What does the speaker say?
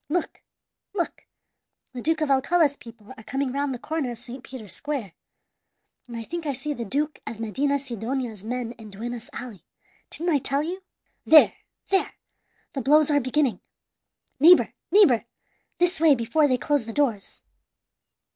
Look, look! the Duke of Alcala's people are coming round the corner of Saint Peter's Square, and I think I see the Duke of Medinasidonia's men in Duenas Alley. Didn't I tell you? There there! The blows are beginning. Neighbor, neighbor, this way before they close the doors!